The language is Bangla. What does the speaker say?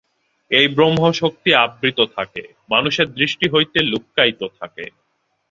এই ব্রহ্মশক্তি আবৃত থাকে, মানুষের দৃষ্টি হইতে লুক্কায়িত থাকে।